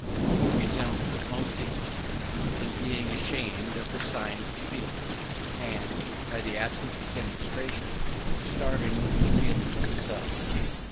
He resembled most Englishmen in being ashamed of the signs of feeling, and, by the absence of demonstration, starving the feelings themselves.